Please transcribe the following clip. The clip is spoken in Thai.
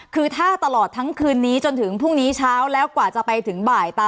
คือถ้าตลอดทั้งคืนนี้จนถึงพรุ่งนี้เช้าแล้วกว่าจะไปถึงบ่าย